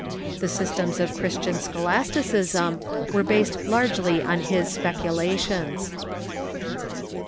The systems of Christian scho lasticism were based largely on bis speculations.